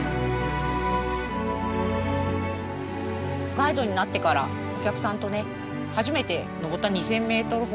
ガイドになってからお客さんと初めて登った２，０００ｍ峰が山伏なんです。